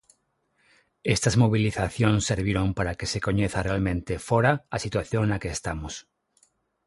Estas mobilizacións serviron para que se coñeza realmente fóra a situación na que estamos.